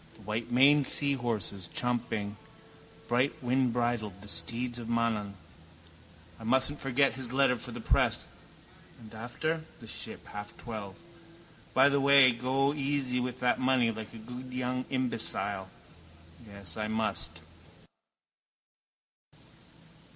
The whitemaned seahorses, champing, brightwindbridled, the steeds of Mananaan. I mustn't forget his letter for the press. And after? The Ship, half twelve. By the way go easy with that money like a good young imbecile. Yes, I must.